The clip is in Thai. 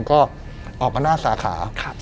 ก็ออกมาหน้าสาขา